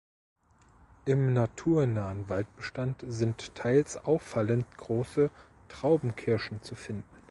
Im naturnahen Waldbestand sind teils auffallend große Traubenkirschen zu finden.